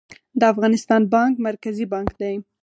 د افغانستان بانک مرکزي بانک دی